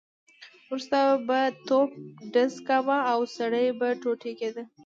وروسته به توپ ډز کاوه او سړی به ټوټې کېده.